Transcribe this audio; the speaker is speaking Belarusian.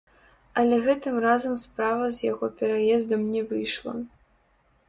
Але гэтым разам справа з яго пераездам не выйшла.